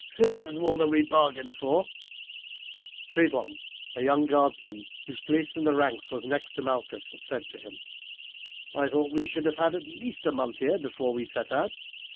"This is more than we bargained for," Trebon, a young guardsman whose place in the ranks was next to Malchus, said to him. "I thought we should have had at least a month here before we set out.